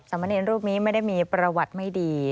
มะเนรรูปนี้ไม่ได้มีประวัติไม่ดี